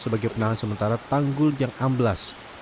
sebagai penahan sementara tanggul yang amblas